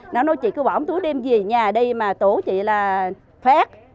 nó nói chị cứ bỏ một túi đem về nhà đi mà tổ chị là phép